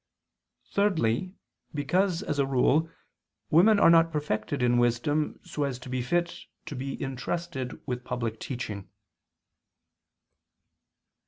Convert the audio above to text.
Thirdly, because as a rule women are not perfected in wisdom, so as to be fit to be intrusted with public teaching.